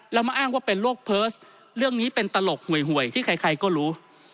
แล้วมาอ้างว่าเป็นโรคเพิร์สเรื่องนี้เป็นตลกหวยที่ใครก็รู้